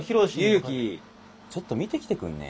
祐樹ちょっと見てきてくんね？